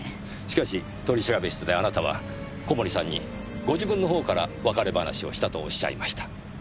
しかし取調室であなたは小森さんにご自分の方から別れ話をしたとおっしゃいました。